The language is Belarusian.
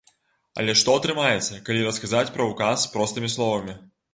Але што атрымаецца, калі расказаць пра ўказ простымі словамі?